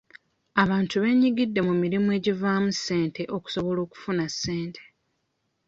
Abantu beenyigidde mu mirimu egivaamu ssente okusobola okufuna ssente.